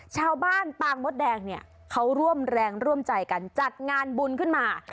ปางมดแดงเนี่ยเขาร่วมแรงร่วมใจกันจัดงานบุญขึ้นมา